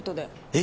え？